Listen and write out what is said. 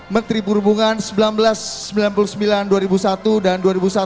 menteri perhubungan seribu sembilan ratus sembilan puluh sembilan dua ribu satu dan dua ribu satu